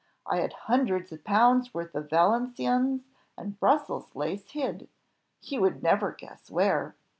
I had hundreds of pounds worth of Valenciennes and Brussels lace hid you would never guess where.